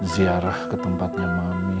ziarah ke tempatnya mami